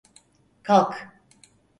Kalk!